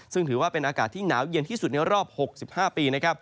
ซึ่งถือว่าเป็นอากาศที่หนาวเย็นที่สุดในรอบ๖๕ปีนะครับ